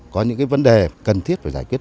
có những vấn đề cần thiết để giải quyết